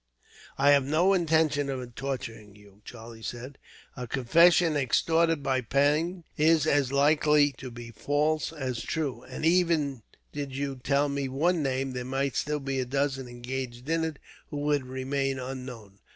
"I have no intention of torturing you," Charlie said. "A confession extorted by pain is as likely to be false as true, and even did you tell me one name, there might still be a dozen engaged in it who would remain unknown.